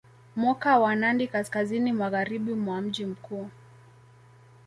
Moka wa Nandi kaskazini magharibi mwa mji mkuu